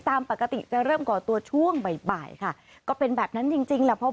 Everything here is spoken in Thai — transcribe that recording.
ตามปกติจะเริ่มก่อตัวช่วงบ่ายค่ะก็เป็นแบบนั้นจริงแล้ว